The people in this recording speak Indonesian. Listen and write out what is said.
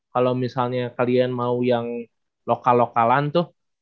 kalau misalnya kalian mau yang lokal lokalan tuh